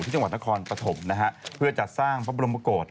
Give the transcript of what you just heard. ที่จังหวัดนครปฐมเพื่อจัดสร้างพระบรมประโกรธ